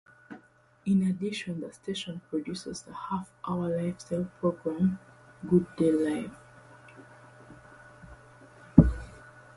In addition, the station produces the half-hour lifestyle program "Good Day Live!".